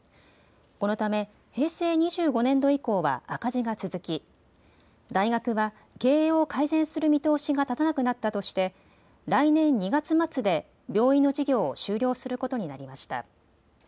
このため平成２５年度以降は赤字が続き大学は経営を改善する見通しが立たなくなったとして来年２月末で病院の事業を終了することになりました。